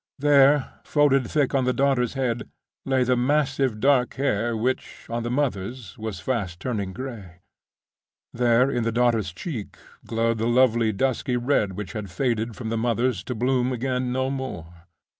There, folded thick on the daughter's head, lay the massive dark hair, which, on the mother's, was fast turning gray. There, in the daughter's cheek, glowed the lovely dusky red which had faded from the mother's to bloom again no more.